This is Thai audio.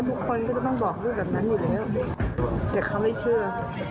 แต่เขาไม่เชื่อ